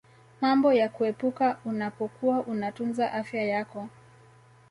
mambo ya kuepuka unapokuwa unatunza afya yako